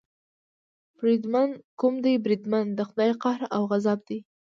بریدمن، کوم دی بریدمن، د خدای قهر او غضب دې.